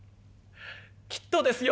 「きっとですよ」。